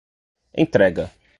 entrega